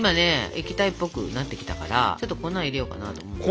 液体っぽくなってきたからちょっと粉入れようかなと思うんだけど。